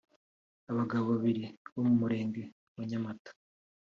Abagabo babiri bo mu murenge wa Nyamata